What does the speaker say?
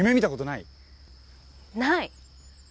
ない。